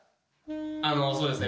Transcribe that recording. あのそうですね